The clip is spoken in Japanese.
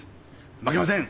負けません！